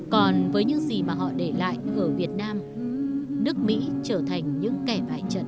còn với những gì mà họ để lại ở việt nam nước mỹ trở thành những kẻ bài trận